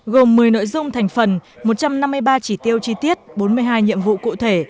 gồm một mươi nội dung thành phần một trăm năm mươi ba chỉ tiêu chi tiết bốn mươi hai nhiệm vụ cụ thể